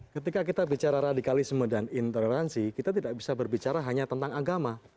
ketika kita bicara radikalisme dan intoleransi kita tidak bisa berbicara hanya tentang agama